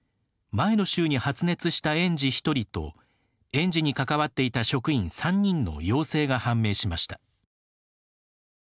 前の週に発熱した園児１人と園児に関わっていた職員３人の陽性が判明しました。